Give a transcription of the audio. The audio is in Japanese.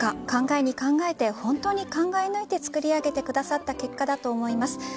考えに考えて、本当に考え抜いて作り上げてくださった結果だと思います。